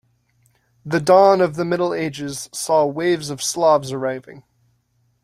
The dawn of the Middle Ages saw waves of Slavs arriving.